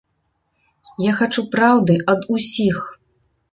Я хачу праўды ад усіх.